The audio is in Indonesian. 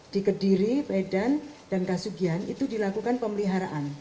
di kediri medan dan kasugian itu dilakukan pemeliharaan